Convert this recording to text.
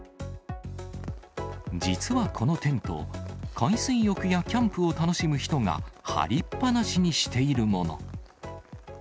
実はこのテント、海水浴やキャンプを楽しむ人が張りっ放しにしているもの。